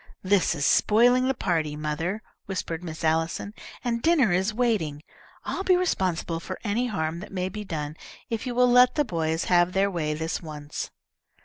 "This is spoiling the party, mother," whispered Miss Allison, "and dinner is waiting. I'll be responsible for any harm that may be done if you will let the boys have their way this once."